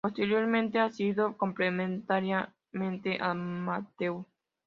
Posteriormente ha sido completamente amateur.